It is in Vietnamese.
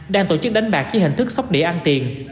đang tổ chức đánh bạc dưới hình thức sóc đĩa ăn tiền